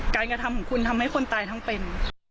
กระทำของคุณทำให้คนตายทั้งเป็น